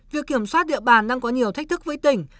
việc kiểm soát địa bàn đang có nhiều thách thức với tỉnh